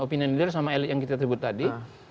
opinion leader sama elite yang kita tribut tadi